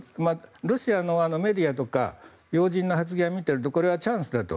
ロシアのメディアとか要人の発言を見ているとこれはチャンスだと。